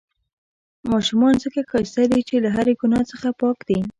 ماشومان ځڪه ښايسته دي، چې له هرې ګناه څخه پاک دي.